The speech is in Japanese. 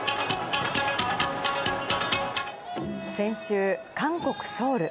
先週、韓国・ソウル。